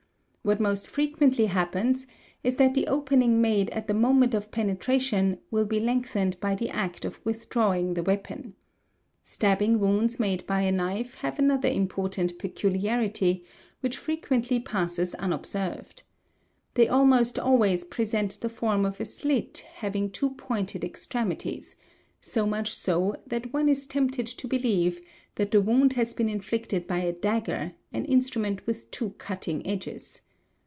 What most frequentl. happens is that the opening made at the moment of penetration wi be lengthened by the act of withdrawing the weapon. Stabbing wo in¢ made by a knife have another important peculiarity which frequent passes unobserved. They almost always present the form of a slit havin two pointed extremities; so much so that one is tempted to belie that the wound has been inflicted by a dagger, an instrument with ty cutting edges.